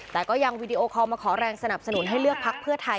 แต่ก็ยังวีดีโอคอลมาขอแรงสนับสนุนให้เลือกพักเพื่อไทย